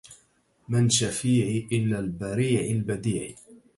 من شفيعي إلى البريع البديع